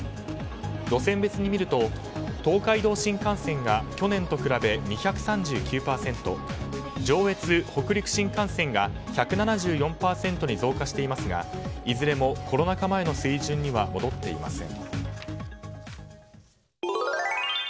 路線別に見ると、東海道新幹線が去年と比べ２３９％上越・北陸新幹線が１７４％に増加していますがいずれもコロナ禍前の水準には戻っていません。